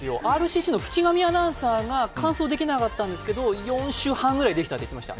ＲＣＣの渕上アナウンサーが完走できなかったんですけど４周半ぐらいできたと言っていました。